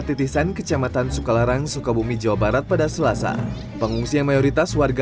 titisan kecamatan sukalarang sukabumi jawa barat pada selasa pengungsi yang mayoritas warga